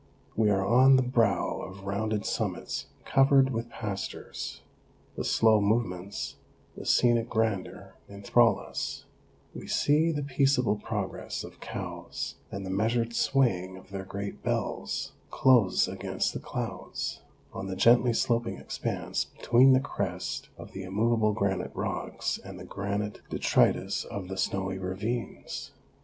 We are on the brow of rounded summits covered with pastures ; the slow movements, the scenic grandeur enthral us ; we see the peaceable progress of cows, and the measured swaying of their great bells, close against the clouds, on the gently sloping expanse between the crest of the immovable granite rocks and the granite detritus of the snowy ravines.